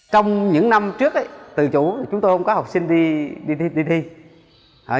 trong những năm trước tự chủ chúng tôi không có học sinh đi đi đi đi đi đi